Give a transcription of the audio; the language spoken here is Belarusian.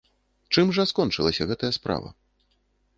Чым жа скончылася гэтая справа?